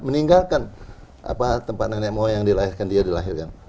menggunakan tempat nenek mo yang dia dilahirkan